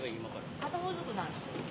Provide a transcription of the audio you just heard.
片方ずつ。